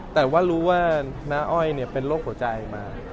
แต่ว่ารู้ว่าน้าอ้อยเป็นโรคหัวใจมา